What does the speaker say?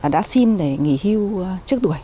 đã xin để nghỉ hưu trước tuổi